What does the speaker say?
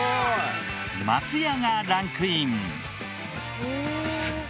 松屋がランクイン。